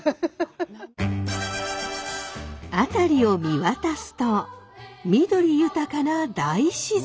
辺りを見渡すと緑豊かな大自然！